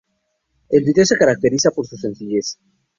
El vídeo se caracteriza por su sencillez.